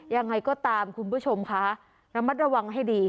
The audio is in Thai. ยังไงก็ตามคุณผู้ชมคะระมัดระวังให้ดี